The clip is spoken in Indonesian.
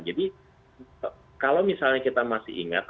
jadi kalau misalnya kita masih ingat